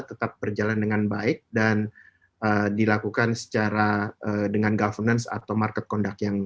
tetap berjalan dengan baik dan dilakukan secara dengan governance atau market conduct yang